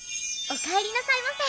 おかえりなさいませ。